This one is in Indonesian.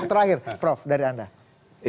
terakhir prof dari anda